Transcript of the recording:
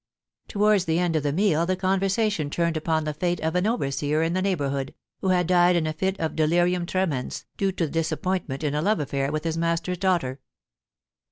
Towards the end of the meal the conversation turned upon the fate of an overseer in the neighbourhood, who had died in a fit of delirium tremens^ due to disappointment in a love affair with his master's daughter.